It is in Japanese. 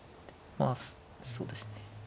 まあそうですね。